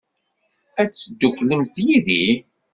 Ad tedduklemt yid-i?